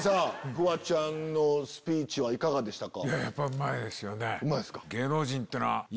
フワちゃんのスピーチはいかがでしたか？